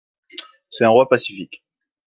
C'est un roi pacifique.